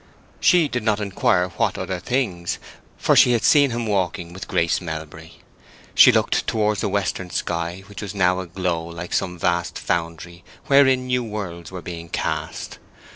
She did not inquire what other things, for she had seen him walking with Grace Melbury. She looked towards the western sky, which was now aglow like some vast foundery wherein new worlds were being cast.